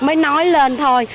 mới nói lên thôi